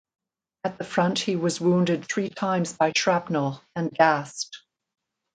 At the front he was wounded three times by shrapnel and gassed.